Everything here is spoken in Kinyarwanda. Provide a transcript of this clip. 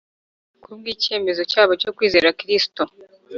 ku bw'icyemezo cyabo cyo kwizera Kristo.